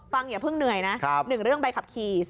อย่าเพิ่งเหนื่อยนะ๑เรื่องใบขับขี่